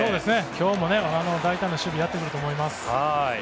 今日も大胆な守備をやってくると思います。